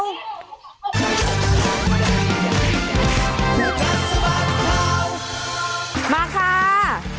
มาค่ะ